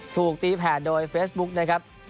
ถูกตีแผ่โดยเฟซบุ๊คนะครับ